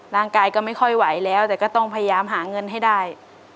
ร่างกายก็ไม่ค่อยไหวแล้วแต่ก็ต้องพยายามหาเงินให้ได้